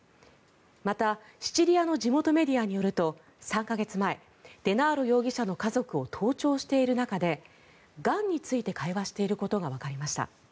また、シチリアの地元メディアによると３か月前デナーロ容疑者の家族を盗聴している中でがんについて会話していることがわかりました。